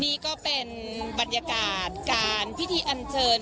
นี่ก็เป็นบรรยากาศการพิธีอันเชิญ